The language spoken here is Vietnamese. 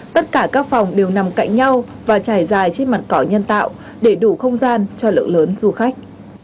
tất cả các phòng đều nằm cạnh nhau và trải dài trên mặt cỏ nhân tạo để đủ không gian cho lượng lớn du khách